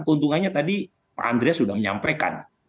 keuntungannya tadi pak andreas sudah menyampaikan